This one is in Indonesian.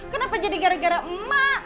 kenapa jadi gara gara emak